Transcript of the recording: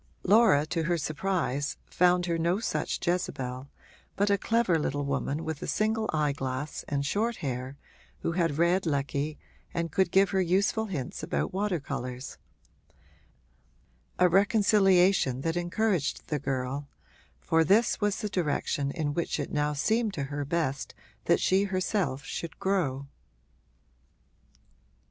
Laura, to her surprise, found her no such Jezebel but a clever little woman with a single eye glass and short hair who had read Lecky and could give her useful hints about water colours: a reconciliation that encouraged the girl, for this was the direction in which it now seemed to her best that she herself should grow.